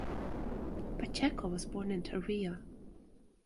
Pacheco was born in Tarija.